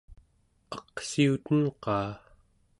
aqsiuten-qaa?